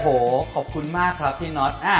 โอ้โหขอบคุณมากครับพี่น็อต